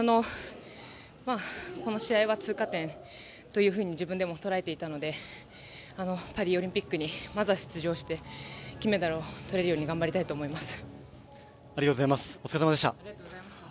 この試合は通過点というふうに自分でも捉えていたので、パリオリンピックにまずは出場して金メダルを取れるように頑張りたいと思います。